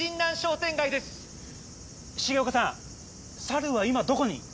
サルは今どこに？